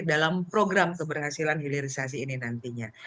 dalam program keberhasilan hilirisasi ini nantinya